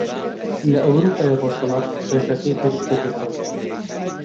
لە ئەورووپای ڕۆژهەڵات ڕێژەکەی بەرز دەبێتەوە